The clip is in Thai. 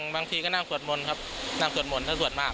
บางทีก็นั่งสวดมนต์ครับนั่งสวดมนต์ถ้าสวดมาก